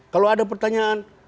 kalau ada pertanyaan